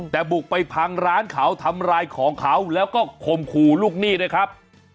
แต่บุกไปพังร้านเขาทำร้ายของเขาแล้วก็ข่มขู่ลูกหนี้ด้วยครับ